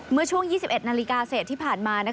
เมื่อช่วง๒๑นาฬิกาเศษที่ผ่านมา